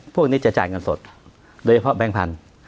พวกนี้จะจ่ายเงินสดโดยเฉพาะแบงค์พันธุ์